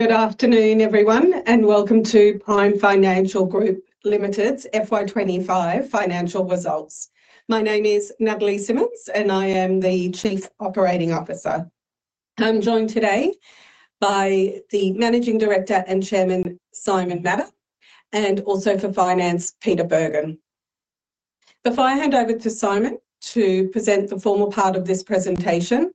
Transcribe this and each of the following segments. Good afternoon, everyone, and welcome to Prime Financial Group Limited's FY 2025 Financial Results. My name is Natalie Simmons, and I am the Chief Operating Officer. I'm joined today by the Managing Director and Chairman, Simon Madder, and also for Finance, Peter Bergin. Before I hand over to Simon to present the formal part of this presentation,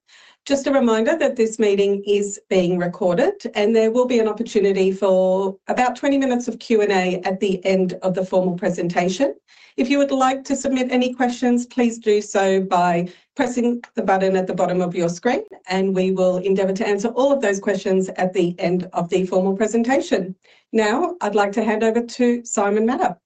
just a reminder that this meeting is being recorded, and there will be an opportunity for about 20 minutes of Q&A at the end of the formal presentation. If you would like to submit any questions, please do so by pressing the button at the bottom of your screen, and we will endeavor to answer all of those questions at the end of the formal presentation. Now, I'd like to hand over to Simon Madder.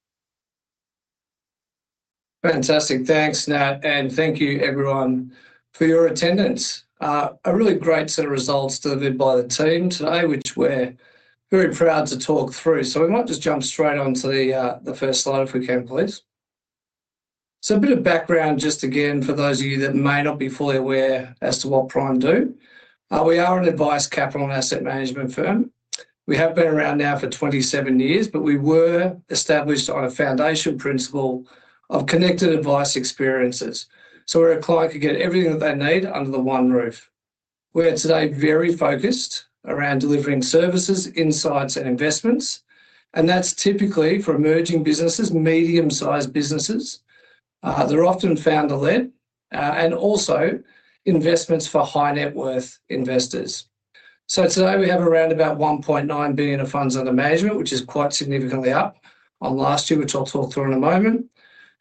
Fantastic. Thanks, Nat, and thank you, everyone, for your attendance. A really great set of results delivered by the team today, which we're very proud to talk through. We might just jump straight on to the first slide if we can, please. A bit of background just again for those of you that may not be fully aware as to what Prime do. We are an advice capital and asset management firm. We have been around now for 27 years, but we were established on a foundation principle of connected advice experiences. We're a client who gets everything that they need under the one roof. We're today very focused around delivering services, insights, and investments, and that's typically for emerging businesses, medium-sized businesses. They're often founder-led, and also investments for high net worth investors. Today we have around about AUS 1.9 billion of funds under management, which is quite significantly up on last year, which I'll talk through in a moment.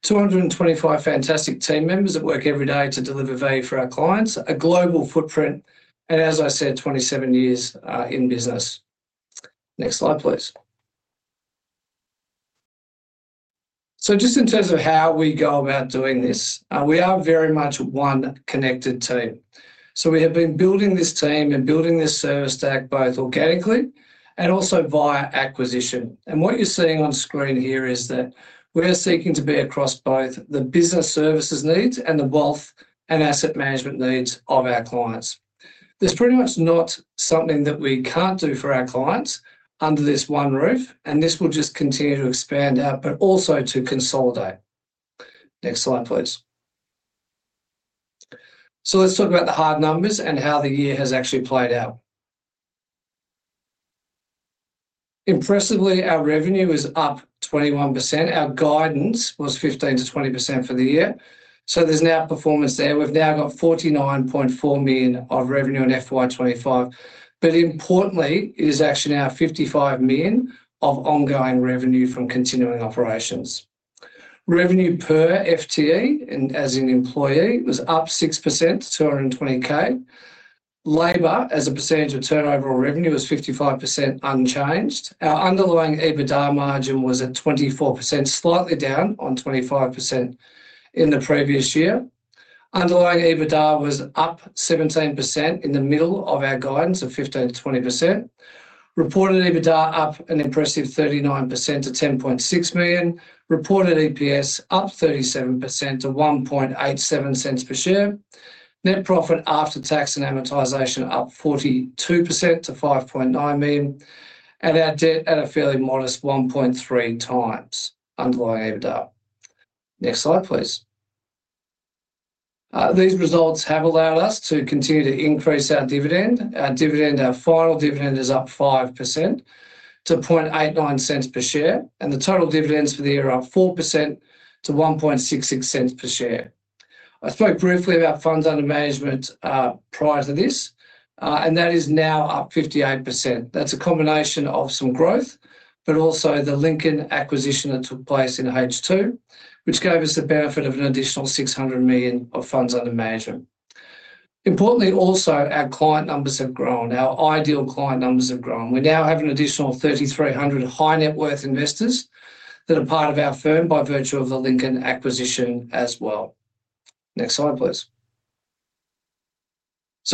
225 fantastic team members that work every day to deliver value for our clients, a global footprint, and as I said, 27 years in business. Next slide, please. Just in terms of how we go about doing this, we are very much one connected team. We have been building this team and building this service stack both organically and also via acquisition. What you're seeing on screen here is that we're seeking to be across both the business services needs and the wealth and asset management needs of our clients. There's pretty much not something that we can't do for our clients under this one roof, and this will just continue to expand out, but also to consolidate. Next slide, please. Let's talk about the hard numbers and how the year has actually played out. Impressively, our revenue is up 21%. Our guidance was 15%-20% for the year. There's now performance there. We've now got AUS 49.4 million of revenue on FY 2025, but importantly, it is actually now AUS 55 million of ongoing revenue from continuing operations. Revenue per FTE, and as an employee, was up 6% to AUS 220,000. Labor, as a percentage of turnover or revenue, was 55% unchanged. Our underlying EBITDA margin was at 24%, slightly down on 25% in the previous year. Underlying EBITDA was up 17% in the middle of our guidance of 15%-20%. Reported EBITDA up an impressive 39% to AUS 10.6 million. Reported EPS up 37% to AUS 0.0187 per share. Net profit after tax and amortization up 42% to AUS 5.9 million, and our debt at a fairly modest 1.3x underlying EBITDA. Next slide, please. These results have allowed us to continue to increase our dividend. Our dividend, our final dividend, is up 5% to AUS 0.0089 per share, and the total dividends for the year are up 4% to AUS 0.0166 per share. I spoke briefly about funds under management prior to this, and that is now up 58%. That's a combination of some growth, but also the Lincoln acquisition that took place in H2, which gave us the benefit of an additional AUS 600 million of funds under management. Importantly, also, our client numbers have grown. Our ideal client numbers have grown. We now have an additional 3,300 high net worth investors that are part of our firm by virtue of the Lincoln acquisition as well. Next slide, please.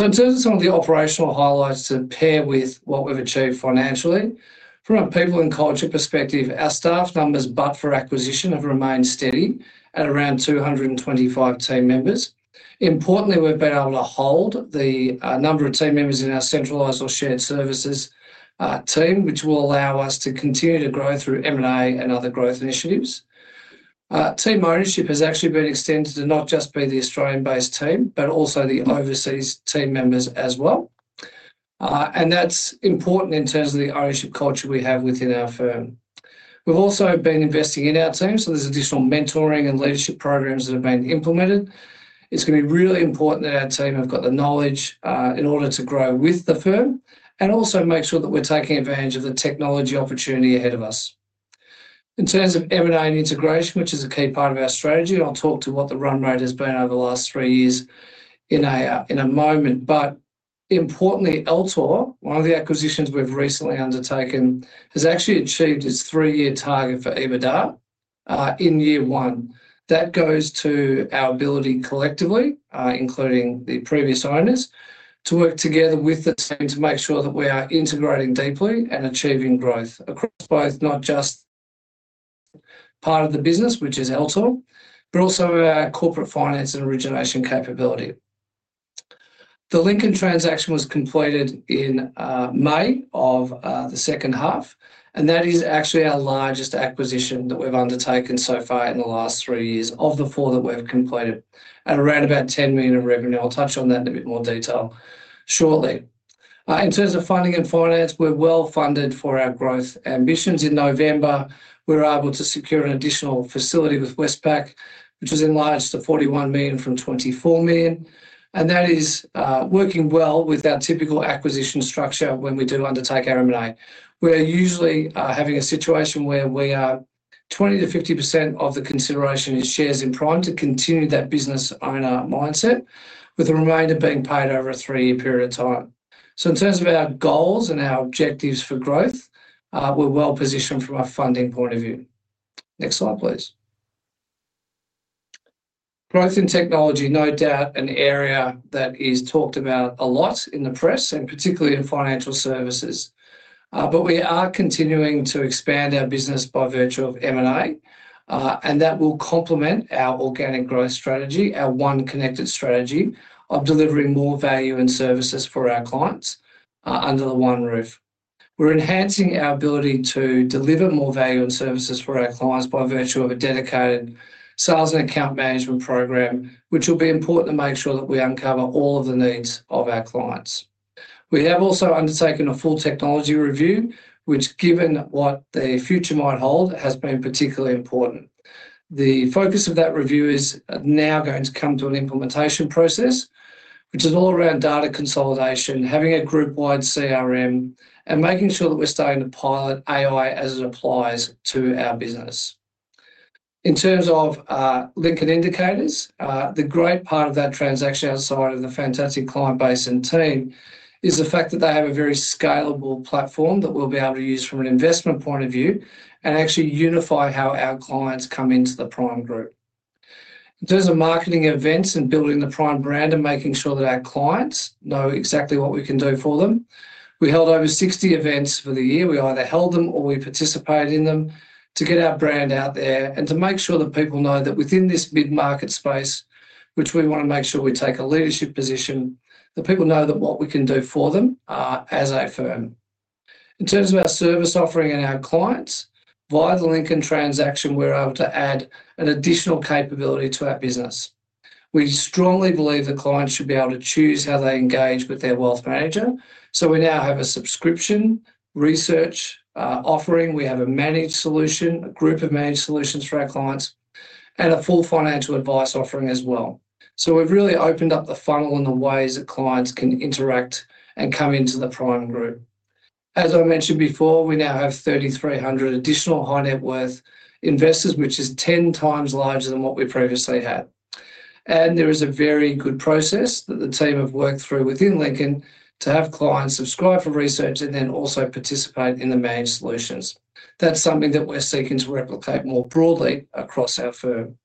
In terms of some of the operational highlights to pair with what we've achieved financially, from a people and culture perspective, our staff numbers but for acquisition have remained steady at around 225 team members. Importantly, we've been able to hold the number of team members in our centralized or shared services team, which will allow us to continue to grow through M&A and other growth initiatives. Team ownership has actually been extended to not just be the Australian-based team, but also the overseas team members as well. That's important in terms of the ownership culture we have within our firm. We've also been investing in our team, so there's additional mentoring and leadership programs that have been implemented. It's going to be really important that our team have got the knowledge in order to grow with the firm and also make sure that we're taking advantage of the technology opportunity ahead of us. In terms of M&A and integration, which is a key part of our strategy, I'll talk to what the run rate has been over the last three years in a moment. Importantly, Altor, one of the acquisitions we've recently undertaken, has actually achieved its three-year target for EBITDA in year one. That goes to our ability collectively, including the previous owners, to work together with the team to make sure that we are integrating deeply and achieving growth across both not just part of the business, which is Altor, but also our corporate finance and origination capability. The Lincoln transaction was completed in May of the second half, and that is actually our largest acquisition that we've undertaken so far in the last three years of the four that we've completed at around about AUS 10 million in revenue. I'll touch on that in a bit more detail shortly. In terms of funding and finance, we're well funded for our growth ambitions. In November, we were able to secure an additional facility with Westpac, which has enlarged to AUS 41 million from AUS 24 million. That is working well with our typical acquisition structure when we do undertake our M&A. We are usually having a situation where 20%-50% of the consideration is shares in Prime to continue that business owner mindset, with the remainder being paid over a three-year period of time. In terms of our goals and our objectives for growth, we're well positioned from a funding point of view. Next slide, please. Growth in technology, no doubt an area that is talked about a lot in the press and particularly in financial services. We are continuing to expand our business by virtue of M&A, and that will complement our organic growth strategy, our one connected strategy of delivering more value and services for our clients under the one roof. We're enhancing our ability to deliver more value and services for our clients by virtue of a dedicated sales and account management program, which will be important to make sure that we uncover all of the needs of our clients. We have also undertaken a full technology review, which, given what the future might hold, has been particularly important. The focus of that review is now going to come to an implementation process, which is all around data consolidation, having a group-wide CRM, and making sure that we're starting to pilot AI as it applies to our business. In terms of Lincoln Indicators, the great part of that transaction outside of the fantastic client base and team is the fact that they have a very scalable platform that we'll be able to use from an investment point of view and actually unify how our clients come into the Prime group. In terms of marketing events and building the Prime brand and making sure that our clients know exactly what we can do for them, we held over 60 events for the year. We either held them or we participated in them to get our brand out there and to make sure that people know that within this mid-market space, which we want to make sure we take a leadership position, people know what we can do for them as a firm. In terms of our service offering and our clients, via the Lincoln transaction, we're able to add an additional capability to our business. We strongly believe clients should be able to choose how they engage with their wealth manager. We now have a subscription research offering. We have a managed solution, a group of managed solutions for our clients, and a full financial advice offering as well. We've really opened up the funnel and the ways that clients can interact and come into the Prime group. As I mentioned before, we now have 3,300 additional high net worth investors, which is 10x larger than what we previously had. There is a very good process that the team have worked through within Lincoln to have clients subscribe for research and then also participate in the managed solutions. That's something that we're seeking to replicate more broadly across our firm.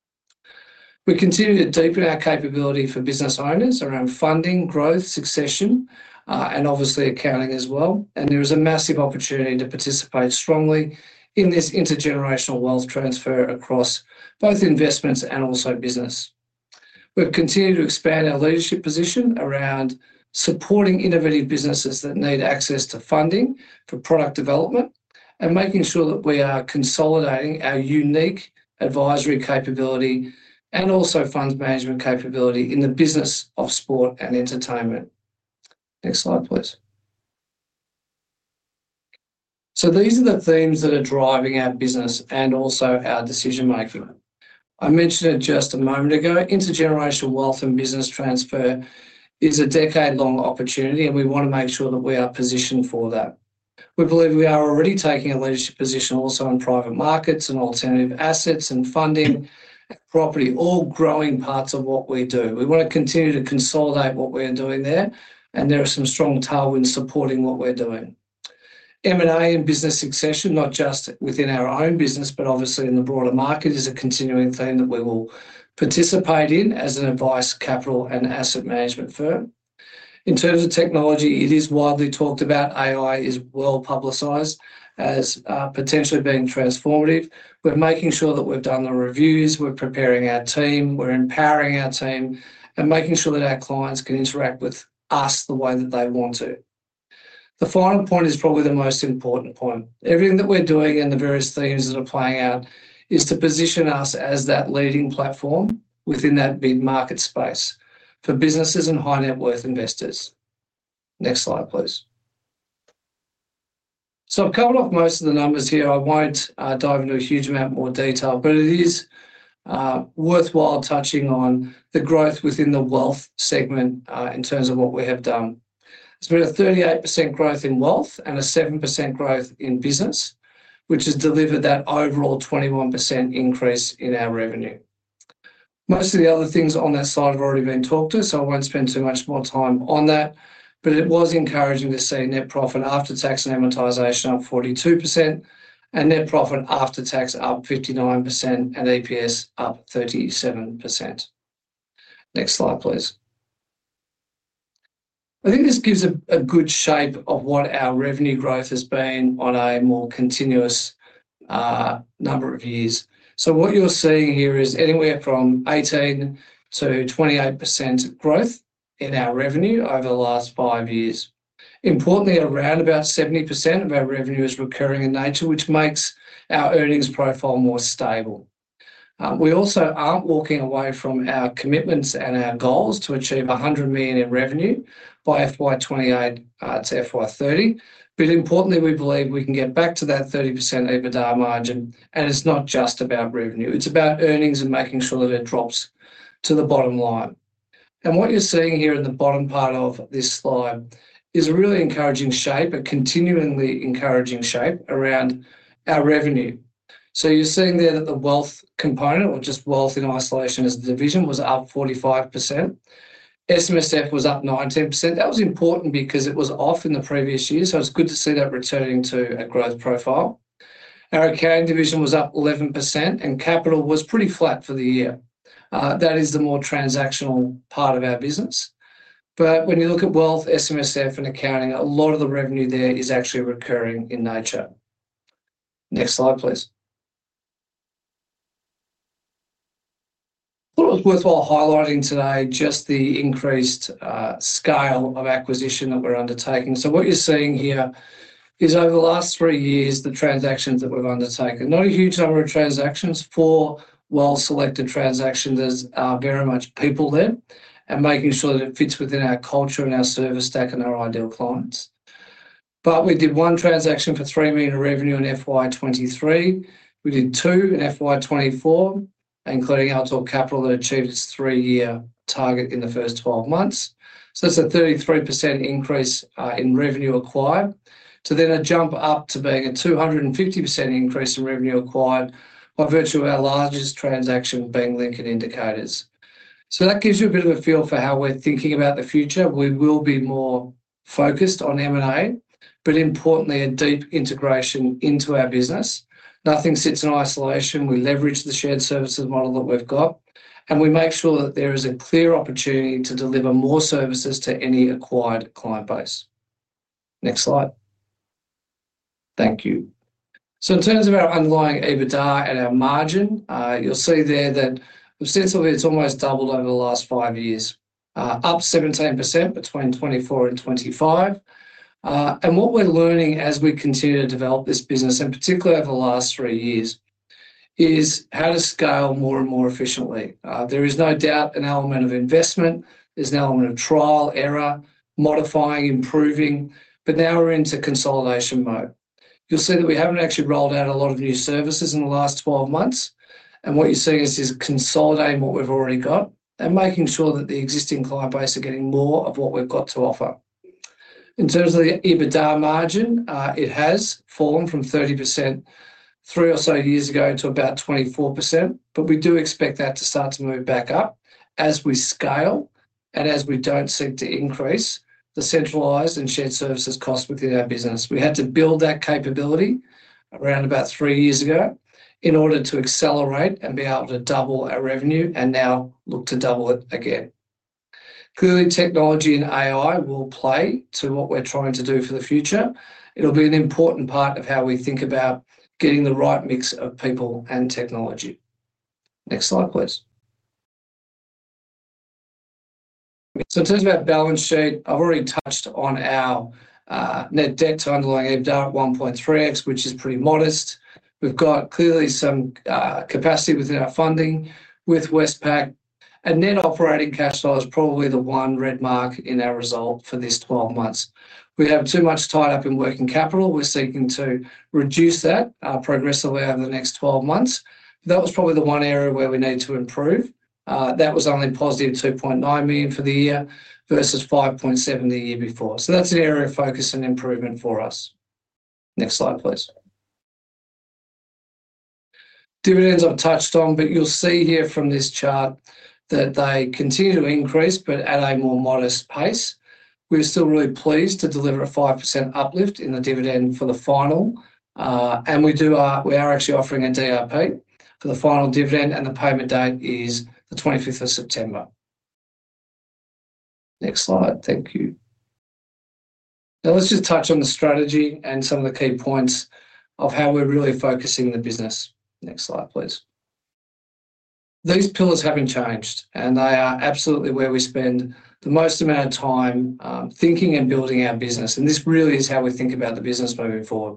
We continue to deepen our capability for business owners around funding, growth, succession, and obviously accounting as well. There is a massive opportunity to participate strongly in this intergenerational wealth transfer across both investments and also business. We've continued to expand our leadership position around supporting innovative businesses that need access to funding for product development and making sure that we are consolidating our unique advisory capability and also funds management capability in the business of sport and entertainment. Next slide, please. These are the themes that are driving our business and also our decision-making. I mentioned it just a moment ago, intergenerational wealth and business transfer is a decade-long opportunity, and we want to make sure that we are positioned for that. We believe we are already taking a leadership position also in private markets and alternative assets and funding, property, all growing parts of what we do. We want to continue to consolidate what we're doing there, and there are some strong tailwinds supporting what we're doing. M&A and business succession, not just within our own business, but obviously in the broader market, is a continuing theme that we will participate in as an advice capital and asset management firm. In terms of technology, it is widely talked about. AI is well publicized as potentially being transformative. We're making sure that we've done the reviews, we're preparing our team, we're empowering our team, and making sure that our clients can interact with us the way that they want to. The final point is probably the most important point. Everything that we're doing and the various themes that are playing out is to position us as that leading platform within that mid-market space for businesses and high net worth investors. Next slide, please. I've covered off most of the numbers here. I won't dive into a huge amount more detail, but it is worthwhile touching on the growth within the wealth segment in terms of what we have done. It's been a 38% growth in wealth and a 7% growth in business, which has delivered that overall 21% increase in our revenue. Most of the other things on that side have already been talked to, so I won't spend too much more time on that, but it was encouraging to see net profit after tax and amortization up 42% and net profit after tax up 59% and EPS up 37%. Next slide, please. I think this gives a good shape of what our revenue growth has been on a more continuous number of years. What you're seeing here is anywhere from 18%-28% growth in our revenue over the last five years. Importantly, around about 70% of our revenue is recurring in nature, which makes our earnings profile more stable. We also aren't walking away from our commitments and our goals to achieve AUS 100 million in revenue by FY 2028 to FY 2030. Importantly, we believe we can get back to that 30% EBITDA margin, and it's not just about revenue. It's about earnings and making sure that it drops to the bottom line. What you're seeing here in the bottom part of this slide is a really encouraging shape, a continually encouraging shape around our revenue. You're seeing there that the wealth component, or just wealth in isolation as a division, was up 45%. SMSF was up 19%. That was important because it was off in the previous year, so it's good to see that returning to a growth profile. Our accounting division was up 11%, and capital was pretty flat for the year. That is the more transactional part of our business. When you look at wealth, SMSF, and accounting, a lot of the revenue there is actually recurring in nature. Next slide, please. What was worthwhile highlighting today is just the increased scale of acquisition that we're undertaking. What you're seeing here is over the last three years, the transactions that we've undertaken, not a huge number of transactions, four well-selected transactions are very much people-led and making sure that it fits within our culture and our service stack and our ideal clients. We did one transaction for AUS 3 million in revenue in FY 2023. We did two in FY 2024, including Altor Capital that achieved its three-year target in the first 12 months. It's a 33% increase in revenue acquired. There is a jump up to being a 250% increase in revenue acquired by virtue of our largest transaction being Lincoln Indicators. That gives you a bit of a feel for how we're thinking about the future. We will be more focused on M&A, but importantly, a deep integration into our business. Nothing sits in isolation. We leverage the shared services model that we've got, and we make sure that there is a clear opportunity to deliver more services to any acquired client base. Next slide. Thank you. In terms of our underlying EBITDA at our margin, you'll see there that ostensibly it's almost doubled over the last five years, up 17% between 2024-2025. What we're learning as we continue to develop this business, and particularly over the last three years, is how to scale more and more efficiently. There is no doubt an element of investment. There's an element of trial, error, modifying, improving, but now we're into consolidation mode. You'll see that we haven't actually rolled out a lot of new services in the last 12 months, and what you're seeing is consolidating what we've already got and making sure that the existing client base are getting more of what we've got to offer. In terms of the EBITDA margin, it has fallen from 30% three or so years ago to about 24%, but we do expect that to start to move back up as we scale and as we don't seek to increase the centralized and shared services costs within our business. We had to build that capability around about three years ago in order to accelerate and be able to double our revenue and now look to double it again. Clearly, technology and AI will play into what we're trying to do for the future. It'll be an important part of how we think about getting the right mix of people and technology. Next slide, please. In terms of our balance sheet, I've already touched on our net debt to underlying EBITDA at 1.3x, which is pretty modest. We've got clearly some capacity within our funding with Westpac, and then operating cash flow is probably the one red mark in our result for these 12 months. We have too much tied up in working capital. We're seeking to reduce that progressively over the next 12 months. That was probably the one area where we need to improve. That was only +AUS 2.9 million for the year versus AUS 5.7 million the year before. That's an area of focus and improvement for us. Next slide, please. Dividends I've touched on, but you'll see here from this chart that they continue to increase, but at a more modest pace. We're still really pleased to deliver a 5% uplift in the dividend for the final, and we are actually offering a DRP for the final dividend, and the payment date is the 25th of September. Next slide, thank you. Now, let's just touch on the strategy and some of the key points of how we're really focusing the business. Next slide, please. These pillars haven't changed, and they are absolutely where we spend the most amount of time thinking and building our business, and this really is how we think about the business moving forward.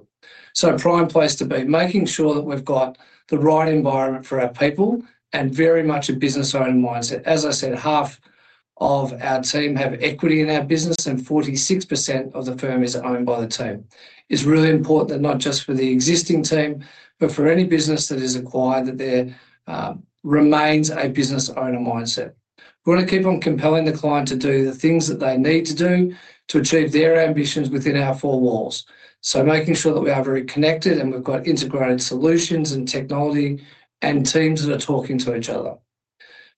Prime place to be, making sure that we've got the right environment for our people and very much a business-owned mindset. As I said, half of our team have equity in our business, and 46% of the firm is owned by the team. It's really important that not just for the existing team, but for any business that is acquired, that there remains a business owner mindset. We want to keep on compelling the client to do the things that they need to do to achieve their ambitions within our four walls. Making sure that we are very connected and we've got integrated solutions and technology and teams that are talking to each other.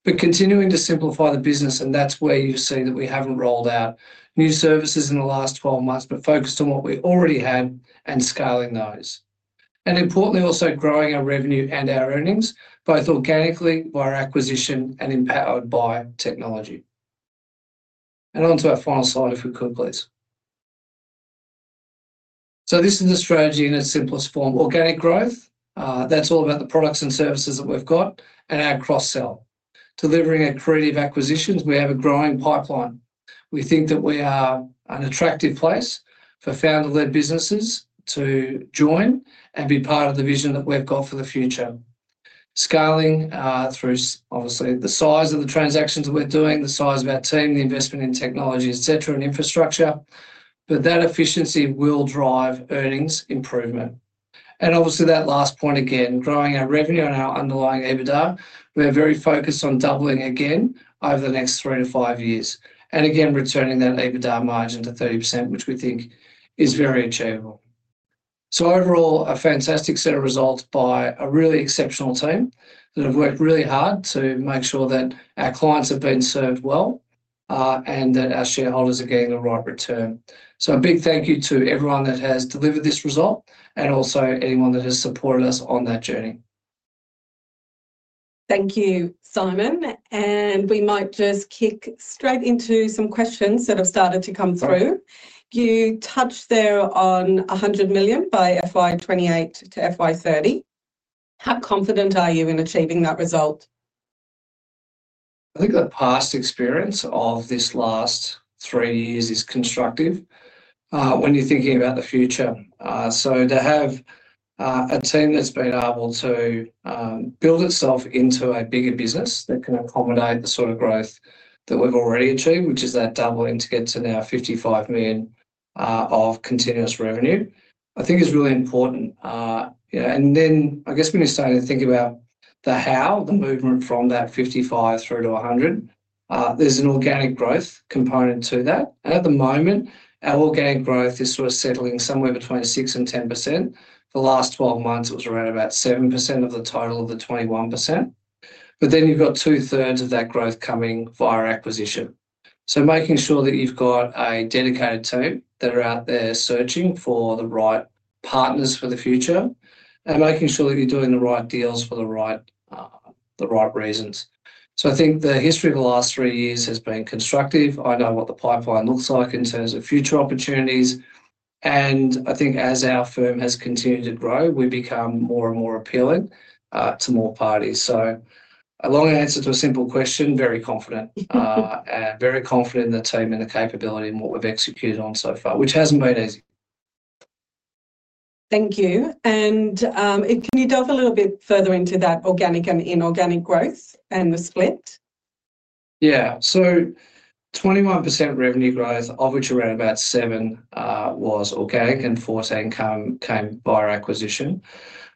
Continuing to simplify the business, and that's where you see that we haven't rolled out new services in the last 12 months, but focused on what we already had and scaling those. Importantly, also growing our revenue and our earnings, both organically by acquisition and empowered by technology. Onto our final slide, if we could, please. This is the strategy in its simplest form. Organic growth, that's all about the products and services that we've got and our cross-sell. Delivering at creative acquisitions, we have a growing pipeline. We think that we are an attractive place for founder-led businesses to join and be part of the vision that we've got for the future. Scaling through, obviously, the size of the transactions that we're doing, the size of our team, the investment in technology, etc., and infrastructure, but that efficiency will drive earnings improvement. That last point again, growing our revenue and our underlying EBITDA, we're very focused on doubling again over the next three to five years, and again returning that EBITDA margin to 30%, which we think is very achievable. Overall, a fantastic set of results by a really exceptional team that have worked really hard to make sure that our clients are being served well, and that our shareholders are getting the right return. A big thank you to everyone that has delivered this result and also anyone that has supported us on that journey. Thank you, Simon, and we might just kick straight into some questions that have started to come through. You touched there on AUS 100 million by FY 2028 to FY 2030. How confident are you in achieving that result? I think the past experience of this last three years is constructive when you're thinking about the future. To have a team that's been able to build itself into a bigger business that can accommodate the sort of growth that we've already achieved, which is that double into getting to now AUS 55 million of continuous revenue, I think is really important. Yeah, and then I guess when you start to think about the how, the movement from that AUS 55 million through to AUS 100 million, there's an organic growth component to that. At the moment, our organic growth is sort of settling somewhere between 6%-10%. The last 12 months, it was around about 7% of the total of the 21%. You've got 2/3 of that growth coming via acquisition. Making sure that you've got a dedicated team that are out there searching for the right partners for the future and making sure that you're doing the right deals for the right reasons. I think the history of the last three years has been constructive. I know what the pipeline looks like in terms of future opportunities. I think as our firm has continued to grow, we become more and more appealing to more parties. A long answer to a simple question, very confident, and very confident in the team and the capability and what we've executed on so far, which hasn't been easy. Thank you. Can you delve a little bit further into that organic and inorganic growth and the split? Yeah, so 21% revenue growth, of which around about 7% was organic and 14% came via acquisition.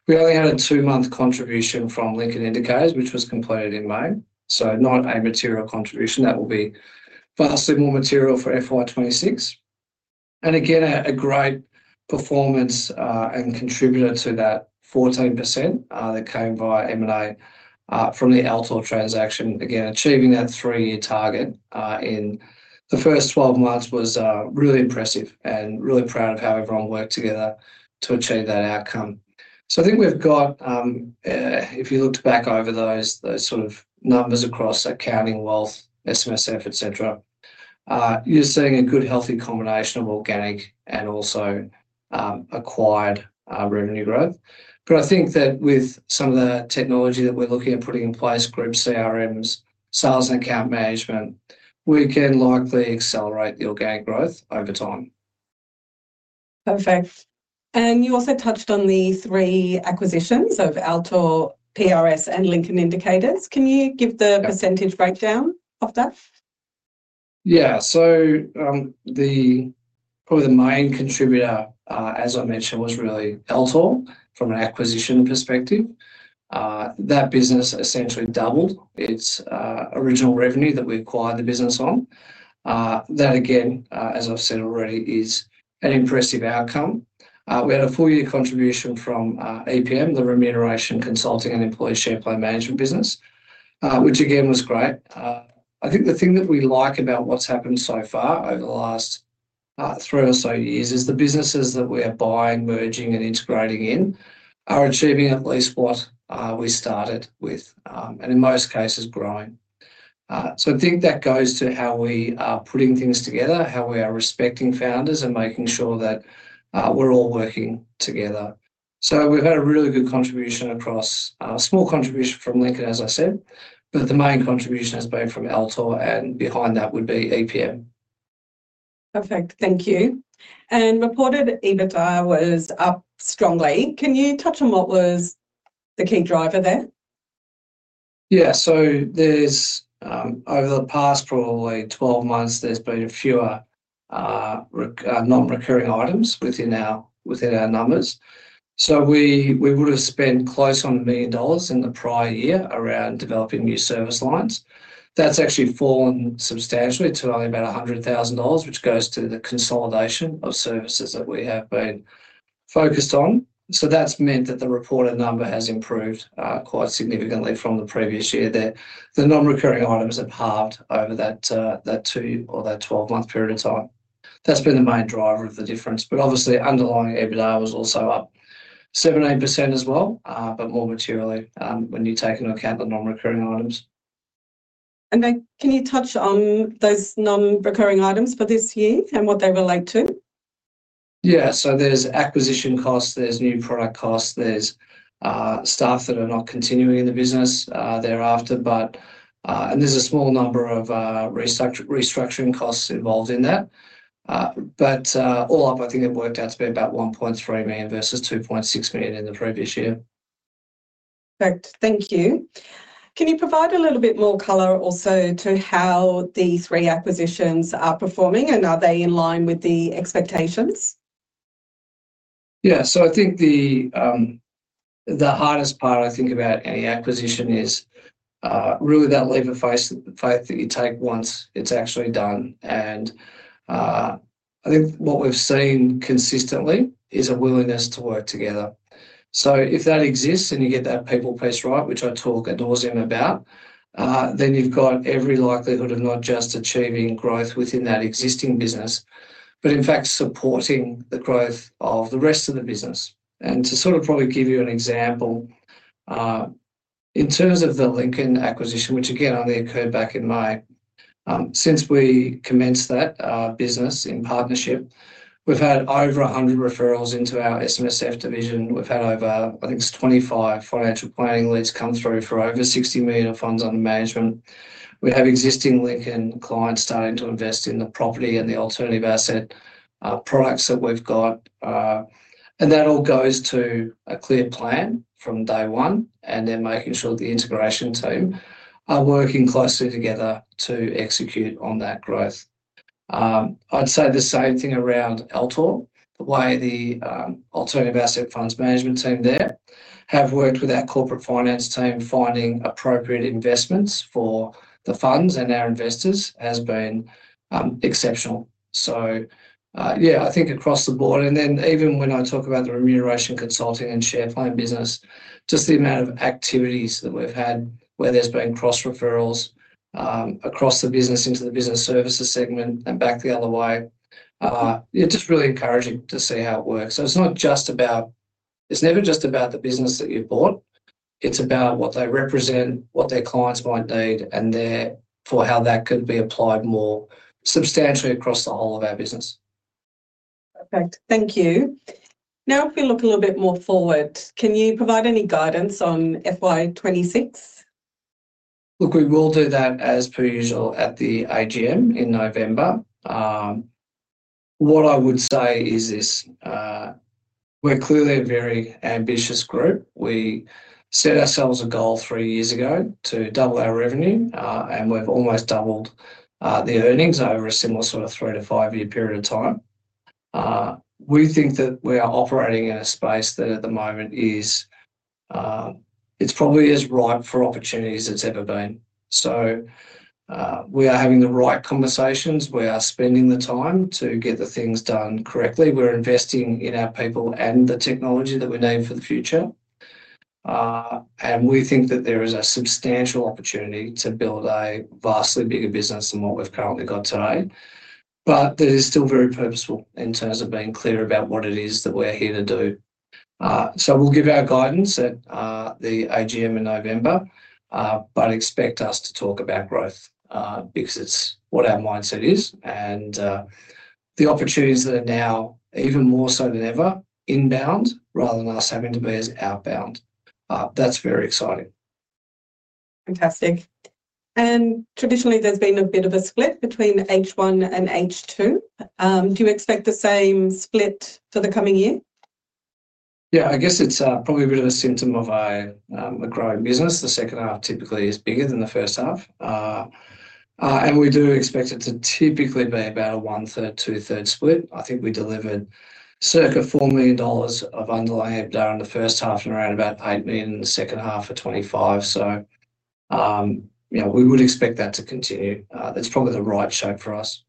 We only had a two-month contribution from Lincoln Indicators, which was completed in May. Not a material contribution. That will be vastly more material for FY 2026. A great performance and contributor to that 14% that came via M&A from the Altor transaction. Achieving that three-year target in the first 12 months was really impressive and really proud of how everyone worked together to achieve that outcome. If you look back over those sort of numbers across accounting, wealth, SMSF, etc., you're seeing a good, healthy combination of organic and also acquired revenue growth. I think that with some of the technology that we're looking at putting in place, group CRM systems, sales, and account management, we can likely accelerate the organic growth over time. Perfect. You also touched on the three acquisitions of Altor, PRS, and Lincoln Indicators. Can you give the percentage breakdown of that? Yeah, so probably the main contributor, as I mentioned, was really Altor from an acquisition perspective. That business essentially doubled its original revenue that we acquired the business on. That again, as I've said already, is an impressive outcome. We had a full-year contribution from APM, the Remuneration Consulting and Employee Share Plan Management business, which again was great. I think the thing that we like about what's happened so far over the last three or so years is the businesses that we are buying, merging, and integrating in are achieving at least what we started with, and in most cases, growing. I think that goes to how we are putting things together, how we are respecting founders and making sure that we're all working together. We've had a really good contribution across, a small contribution from Lincoln, as I said, but the main contribution has been from Altor, and behind that would be APM. Perfect. Thank you. Reported EBITDA was up strongly. Can you touch on what was the key driver there? Yeah, over the past probably 12 months, there's been a few non-recurring items within our numbers. We would have spent close on AUS 1 million in the prior year around developing new service lines. That's actually fallen substantially to only about AUS 100,000, which goes to the consolidation of services that we have been focused on. That has meant that the reported number has improved quite significantly from the previous year. The non-recurring items have halved over that 12-month period of time. That has been the main driver of the difference. Obviously, underlying EBITDA was also up 17% as well, but more materially, when you take into account the non-recurring items. Can you touch on those non-recurring items for this year and what they were like too? Yeah, so there's acquisition costs, there's new product costs, there's staff that are not continuing in the business thereafter, and there's a small number of restructuring costs involved in that. All up, I think it worked out to be about AUS 1.3 million versus AUS 2.6 million in the previous year. Perfect. Thank you. Can you provide a little bit more color also to how these three acquisitions are performing, and are they in line with the expectations? I think the hardest part about any acquisition is really that leap of faith that you take once it's actually done. I think what we've seen consistently is a willingness to work together. If that exists and you get that people place right, which I talk adores him about, then you've got every likelihood of not just achieving growth within that existing business, but in fact supporting the growth of the rest of the business. To probably give you an example, in terms of the Lincoln acquisition, which again only occurred back in May, since we commenced that business in partnership, we've had over 100 referrals into our SMSF division. We've had over, I think it's 25 financial planning leads come through for over AUS 60 million of funds under management. We have existing Lincoln clients starting to invest in the property and the alternative asset products that we've got. That all goes to a clear plan from day one and then making sure that the integration team are working closely together to execute on that growth. I'd say the same thing around Altor, the way the alternative asset funds management team there have worked with our corporate finance team, finding appropriate investments for the funds and our investors has been exceptional. I think across the board, and then even when I talk about the remuneration consulting and share plan business, just the amount of activities that we've had where there's been cross-referrals across the business into the business services segment and back the other way, it's just really encouraging to see how it works. It's not just about, it's never just about the business that you've bought. It's about what they represent, what their clients might need, and therefore how that could be applied more substantially across the whole of our business. Perfect. Thank you. Now, if we look a little bit more forward, can you provide any guidance on FY 2026? Look, we will do that as per usual at the AGM in November. What I would say is this: we're clearly a very ambitious group. We set ourselves a goal three years ago to double our revenue, and we've almost doubled the earnings over a similar sort of three to five-year period of time. We think that we are operating in a space that at the moment is probably as ripe for opportunities as it's ever been. We are having the right conversations. We are spending the time to get the things done correctly. We're investing in our people and the technology that we need for the future. We think that there is a substantial opportunity to build a vastly bigger business than what we've currently got today. It is still very purposeful in terms of being clear about what it is that we're here to do. We'll give our guidance at the AGM in November, but expect us to talk about growth because it's what our mindset is and the opportunities that are now even more so than ever inbound rather than us having to be outbound. That's very exciting. Fantastic. Traditionally, there's been a bit of a split between H1 and H2. Do you expect the same split for the coming year? Yeah, I guess it's probably a bit of a symptom of a growing business. The second half typically is bigger than the first half. We do expect it to typically be about a 1/3, 2/3 split. I think we delivered circa AUS 4 million of underlying EBITDA in the first half and around AUS 8 million in the second half for 2025. We would expect that to continue. That's probably the right shape for us.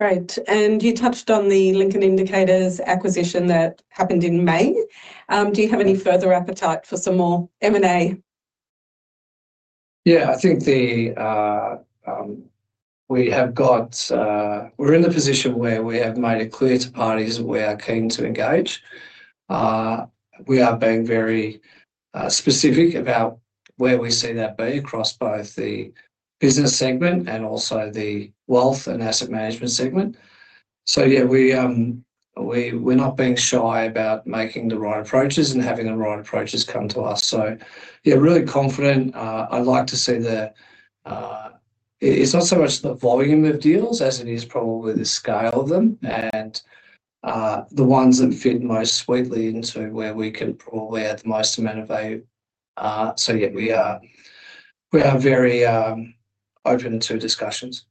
Great. You touched on the Lincoln Indicators acquisition that happened in May. Do you have any further appetite for some more M&A? I think we have got, we're in the position where we have made it clear to parties that we are keen to engage. We are being very specific about where we see that be across both the business segment and also the wealth and asset management segment. We're not being shy about making the right approaches and having the right approaches come to us. I'm really confident. I like to see the, it's not so much the volume of deals as it is probably the scale of them and the ones that fit most sweetly into where we can probably add the most amount of value. We are very open to discussions.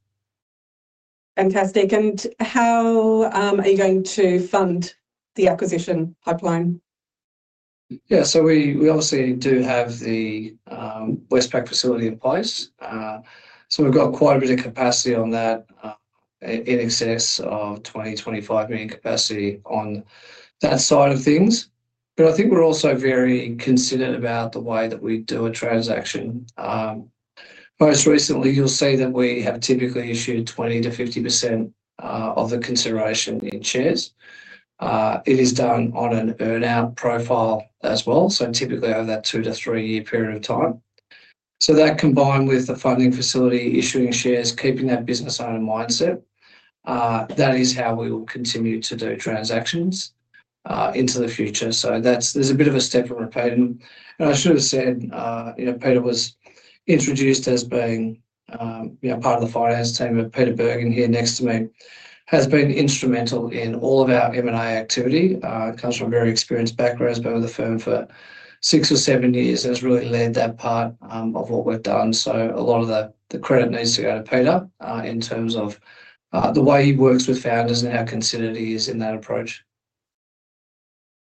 Fantastic. How are you going to fund the acquisition pipeline? Yeah, we obviously do have the Westpac facility in place. We've got quite a bit of capacity on that, in excess of AUS 20 million, AUS 25 million capacity on that side of things. I think we're also very considerate about the way that we do a transaction. Most recently, you'll see that we have typically issued 20%-50% of the consideration in shares. It is done on an earnout profile as well, typically on that two to three-year period of time. That, combined with the funding facility, issuing shares, keeping that business owner mindset, is how we will continue to do transactions into the future. There's a bit of a step from a pain. I should have said, Peter was introduced as being part of the finance team. Peter Bergen here next to me has been instrumental in all of our M&A activity. Comes from a very experienced background, has been with the firm for six or seven years, has really led that part of what we've done. A lot of the credit needs to go to Peter in terms of the way he works with founders and how considerate he is in that approach.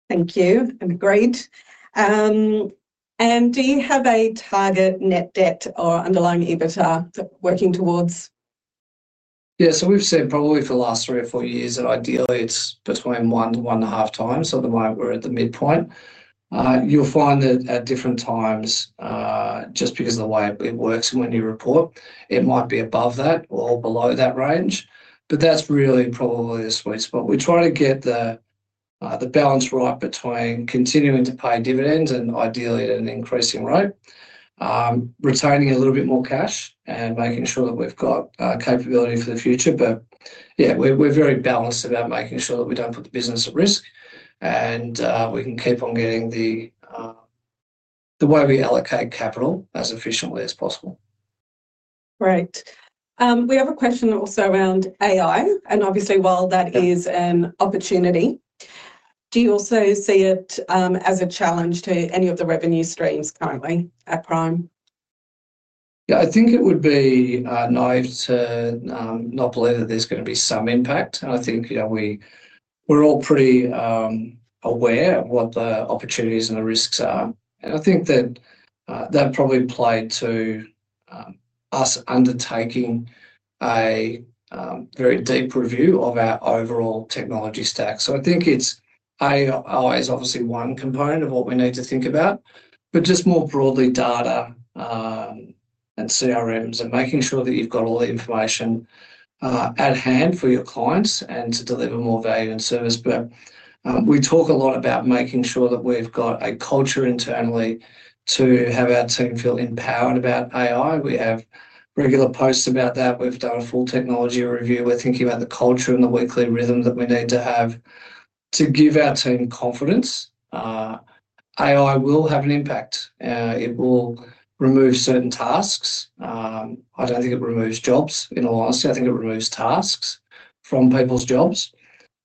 Thank you. Agreed. Do you have a target net debt or underlying EBITDA working towards? Yeah, so we've said probably for the last three or four years that ideally it's between 1x-1.5x. At the moment, we're at the midpoint. You'll find that at different times, just because of the way it works and when you report, it might be above that or below that range. That's really probably a sweet spot. We try to get the balance right between continuing to pay dividends and ideally at an increasing rate, retaining a little bit more cash and making sure that we've got capability for the future. We're very balanced about making sure that we don't put the business at risk and we can keep on getting the way we allocate capital as efficiently as possible. Right. We have a question also around AI, and obviously while that is an opportunity, do you also see it as a challenge to any of the revenue streams currently at Prime? I think it would be naive to not believe that there's going to be some impact. I think we're all pretty aware of what the opportunities and the risks are. I think that probably played to us undertaking a very deep review of our overall technology stack. I think AI is obviously one component of what we need to think about, but just more broadly, data and CRM systems and making sure that you've got all the information at hand for your clients and to deliver more value and service. We talk a lot about making sure that we've got a culture internally to have our team feel empowered about AI. We have regular posts about that. We've done a full technology review. We're thinking about the culture and the weekly rhythm that we need to have to give our team confidence. AI will have an impact. It will remove certain tasks. I don't think it removes jobs, in all honesty. I think it removes tasks from people's jobs.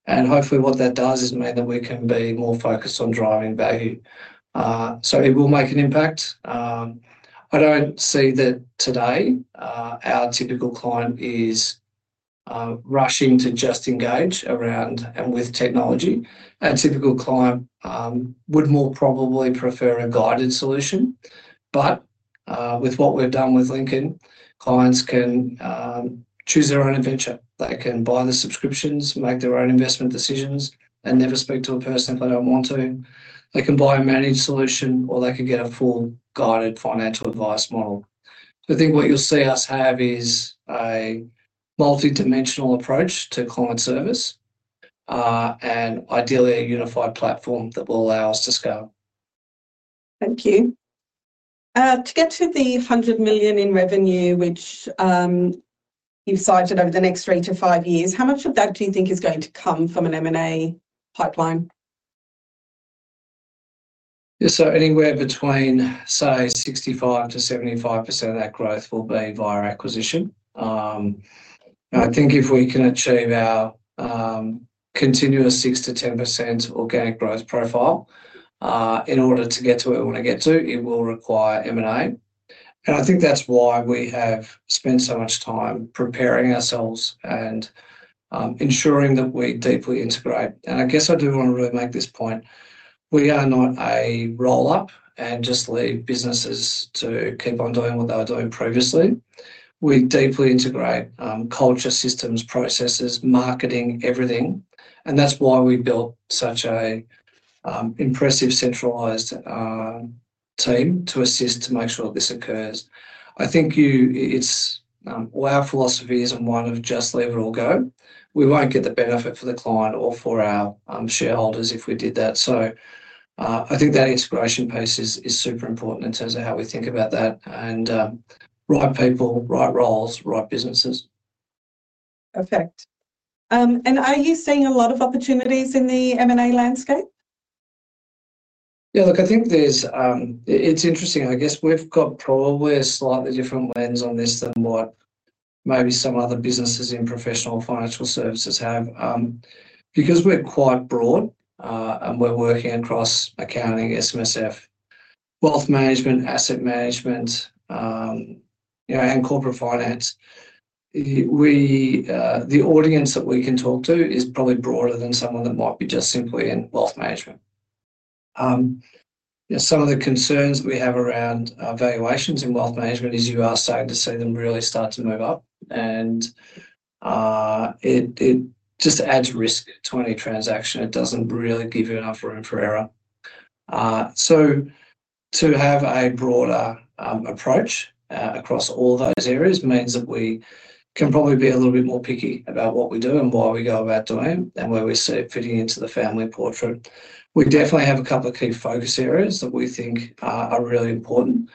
Hopefully, what that does is mean that we can be more focused on driving value. It will make an impact. I don't see that today our typical client is rushing to just engage around and with technology. Our typical client would more probably prefer a guided solution. With what we've done with Lincoln, clients can choose their own adventure. They can buy the subscriptions, make their own investment decisions, and never speak to a person if they don't want to. They can buy a managed solution or they could get a full guided financial advice model. I think what you'll see us have is a multidimensional approach to client service and ideally a unified platform that will allow us to scale. Thank you. To get to the AUS 100 million in revenue, which you've cited over the next 3-5 years, how much of that do you think is going to come from an M&A pipeline? Yeah, so anywhere between, say, 65%-75% of that growth will be via acquisition. I think if we can achieve our continuous 6%-10% organic growth profile, in order to get to where we want to get to, it will require M&A. That's why we have spent so much time preparing ourselves and ensuring that we deeply integrate. I do want to really make this point. We are not a roll-up and just leave businesses to keep on doing what they were doing previously. We deeply integrate culture, systems, processes, marketing, everything. That's why we built such an impressive centralized team to assist to make sure that this occurs. I think our philosophy isn't one of just leave it all go. We won't get the benefit for the client or for our shareholders if we did that. I think that integration piece is super important in terms of how we think about that and right people, right roles, right businesses. Perfect. Are you seeing a lot of opportunities in the M&A landscape? Yeah, look, I think it's interesting. I guess we've got probably a slightly different lens on this than what maybe some other businesses in professional financial services have. Because we're quite broad and we're working across accounting, SMSF, wealth management, asset management, you know, and corporate finance, the audience that we can talk to is probably broader than someone that might be just simply in wealth management. Some of the concerns that we have around valuations in wealth management is you are starting to see them really start to move up and it just adds risk to any transaction. It doesn't really give you enough room for error. To have a broader approach across all of those areas means that we can probably be a little bit more picky about what we do, why we go about doing it, and where we see it fitting into the family portrait. We definitely have a couple of key focus areas that we think are really important.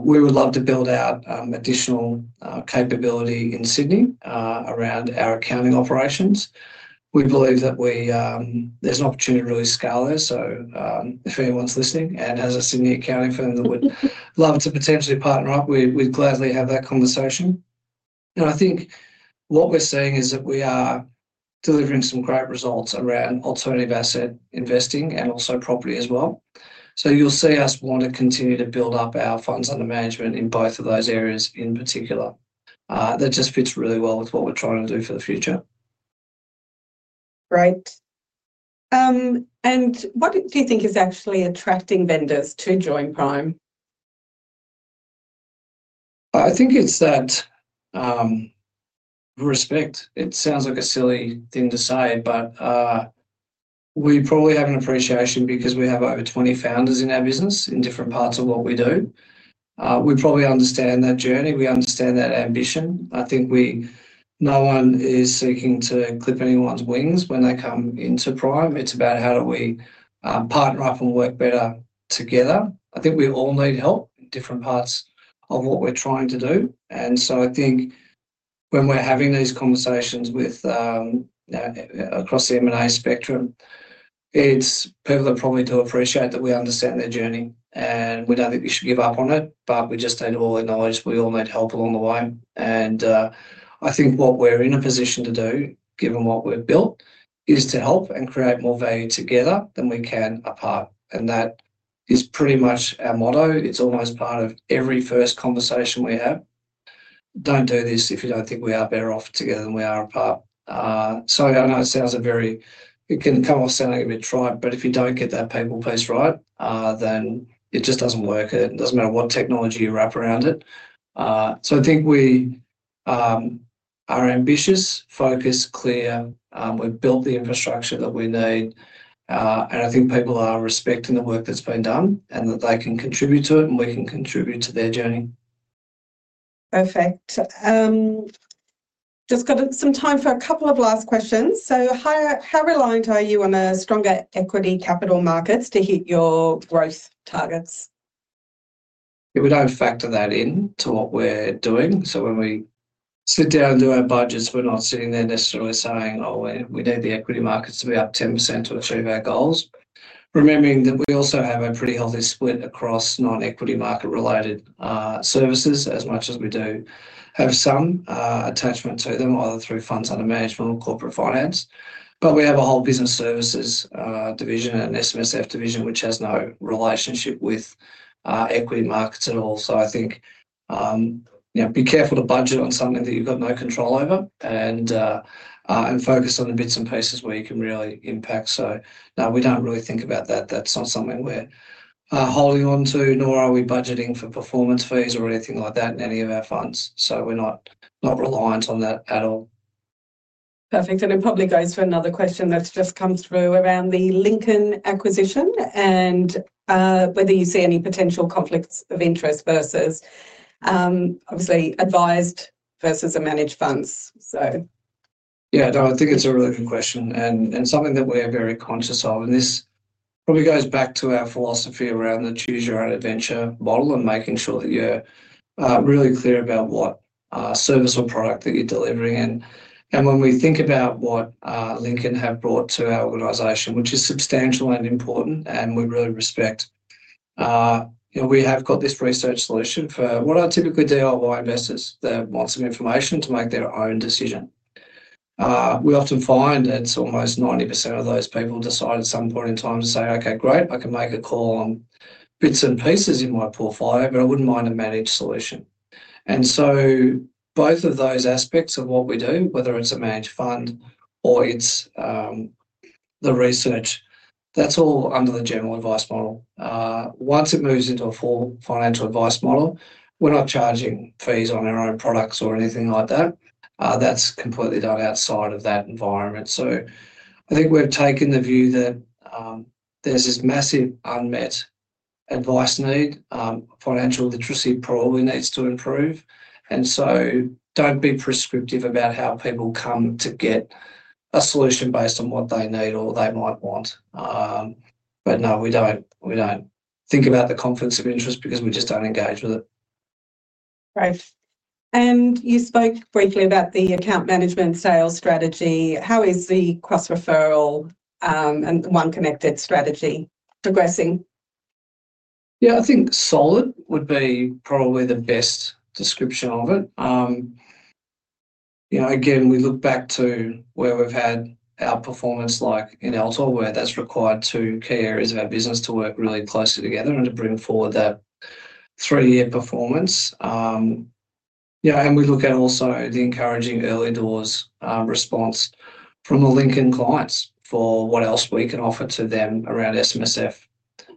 We would love to build out additional capability in Sydney around our accounting operations. We believe that there's an opportunity to really scale there. If anyone's listening and has a Sydney accounting firm that would love to potentially partner up, we'd gladly have that conversation. I think what we're seeing is that we are delivering some great results around alternative asset investing and also property as well. You'll see us want to continue to build up our funds under management in both of those areas in particular. That just fits really well with what we're trying to do for the future. What do you think is actually attracting vendors to join Prime? I think it's that respect. It sounds like a silly thing to say, but we probably have an appreciation because we have over 20 founders in our business in different parts of what we do. We probably understand that journey. We understand that ambition. I think no one is seeking to clip anyone's wings when they come into Prime. It's about how do we partner up and work better together. I think we all need help in different parts of what we're trying to do. I think when we're having these conversations with, you know, across the M&A spectrum, it's people that probably do appreciate that we understand their journey and we don't think we should give up on it, but we just need all the knowledge. We all need help along the way. I think what we're in a position to do, given what we've built, is to help and create more value together than we can apart. That is pretty much our motto. It's almost part of every first conversation we have. Don't do this if you don't think we are better off together than we are apart. I know it sounds a very, it can come off sounding a bit trite, but if you don't get that people piece right, then it just doesn't work. It doesn't matter what technology you wrap around it. I think we are ambitious, focused, clear. We've built the infrastructure that we need. I think people are respecting the work that's been done and that they can contribute to it and we can contribute to their journey. Perfect. Just got some time for a couple of last questions. How reliant are you on a stronger equity capital markets to hit your growth targets? We don't factor that into what we're doing. When we sit down and do our budgets, we're not sitting there necessarily saying, oh, we need the equity markets to be up 10% or 3% of our goals, remembering that we also have a pretty healthy split across non-equity market-related services, as much as we do have some attachment to them, either through funds under management or corporate finance. We have a whole business services division and an SMSF division, which has no relationship with equity markets at all. I think, you know, be careful to budget on something that you've got no control over and focus on the bits and pieces where you can really impact. No, we don't really think about that. That's not something we're holding on to, nor are we budgeting for performance fees or anything like that in any of our funds. We're not reliant on that at all. Perfect. It probably goes to another question that's just come through around the Lincoln Indicators Pty. Ltd. acquisition and whether you see any potential conflicts of interest versus, obviously, advised versus a managed fund. Yeah, I think it's a really good question and something that we're very conscious of. This probably goes back to our philosophy around the choose-your-own-adventure model and making sure that you're really clear about what service or product that you're delivering. When we think about what Lincoln have brought to our organization, which is substantial and important, and we really respect, you know, we have got this research solution for what are typically DIY investors. They want some information to make their own decision. We often find, and it's almost 90% of those people decide at some point in time to say, okay, great, I can make a call on bits and pieces in my portfolio, but I wouldn't mind a managed solution. Both of those aspects of what we do, whether it's a managed fund or it's the research, that's all under the general advice model. Once it moves into a formal financial advice model, we're not charging fees on our own products or anything like that. That's completely done outside of that environment. I think we've taken the view that there's this massive unmet advice need. Financial literacy probably needs to improve. Don't be prescriptive about how people come to get a solution based on what they need or they might want. No, we don't think about the conflicts of interest because we just don't engage with it. Great. You spoke briefly about the account management sales strategy. How is the cross-referral and the one-connected strategy progressing? Yeah, I think solid would be probably the best description of it. You know, again, we look back to where we've had our performance like in Altor, where that's required two key areas of our business to work really closely together and to bring forward that three-year performance. You know, we look at also the encouraging early doors response from the Lincoln clients for what else we can offer to them around SMSF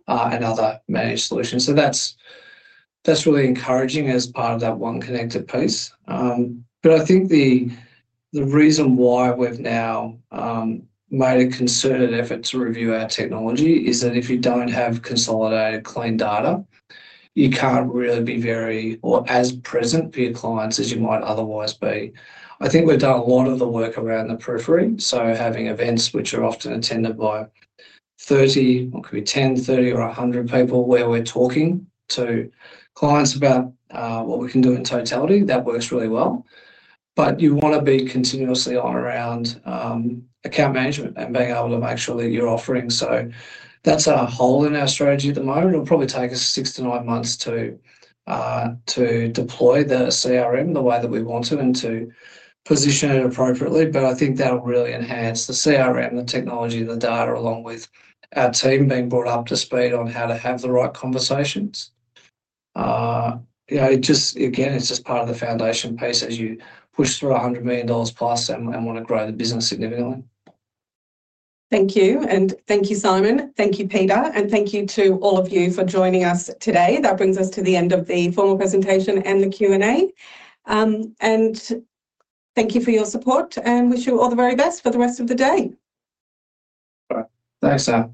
and other managed solutions. That's really encouraging as part of that one connected piece. I think the reason why we've now made a concerted effort to review our technology is that if you don't have consolidated clean data, you can't really be very or as present to your clients as you might otherwise be. I think we've done a lot of the work around the periphery. Having events which are often attended by 30, it could be 10, 30, or 100 people where we're talking to clients about what we can do in totality, that works really well. You want to be continuously on around account management and being able to make sure that you're offering. That's our hole in our strategy at the moment. It'll probably take us six to nine months to deploy the CRM the way that we want it and to position it appropriately. I think that'll really enhance the CRM, the technology, the data, along with our team being brought up to speed on how to have the right conversations. Just again, it's just part of the foundation piece as you push through AUS 100 million+ and want to grow the business significantly. Thank you. Thank you, Simon. Thank you, Peter. Thank you to all of you for joining us today. That brings us to the end of the formal presentation and the Q&A. Thank you for your support and wish you all the very best for the rest of the day. Thanks, Nat.